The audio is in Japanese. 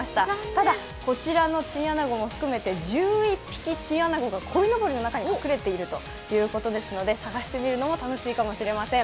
ただこちらのチンアナゴも含めて１１匹、チンアナゴがこいのぼりの中に隠れているということですので探してみるのも楽しいかもしれません。